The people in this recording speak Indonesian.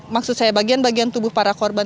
maksud saya bagian bagian tubuh para korban